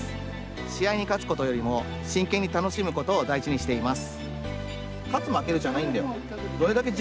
試合に勝つことよりも真剣に楽しむことを大事にしています。